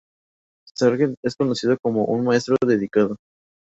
Sargent es conocido como un maestro dedicado.